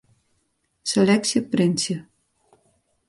Seleksje printsje.